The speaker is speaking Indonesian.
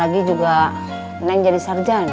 lagi juga neng jadi sarjana